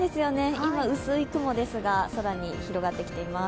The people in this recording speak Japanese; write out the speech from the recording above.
今、薄い雲ですが、空に広がってきています。